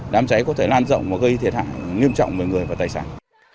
đám cháy có thể lan rộng và gây thiệt hại nghiêm trọng với người và tài sản